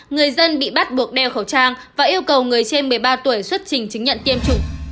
người dân bị bắt buộc đeo khẩu trang và yêu cầu người trên một mươi ba tuổi xuất trình chứng nhận tiêm chủng